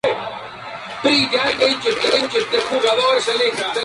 El Al Shabab de Arabia Saudita abandonó el torneo.